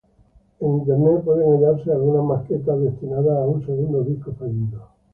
En Internet pueden hallarse algunas maquetas destinadas a un segundo disco fallido.